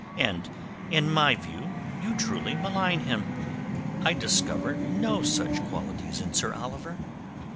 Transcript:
And in my view you cruelly malign him. I discover no such qualities in Sir Oliver."